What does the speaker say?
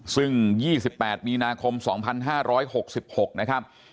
ซึ่ง๒๘มีนาคม๒๕๖๖นะครับ